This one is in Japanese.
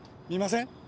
見ません？